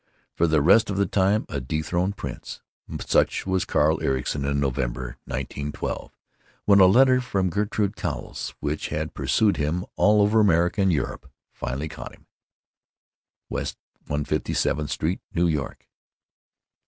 For the rest of the time—a dethroned prince. Such was Carl Ericson in November, 1912, when a letter from Gertrude Cowles, which had pursued him all over America and Europe, finally caught him: —— West 157th St. New York.